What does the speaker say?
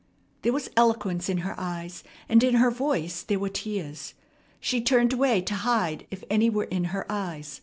There was eloquence in her eyes, and in her voice there were tears. She turned away to hide if any were in her eyes.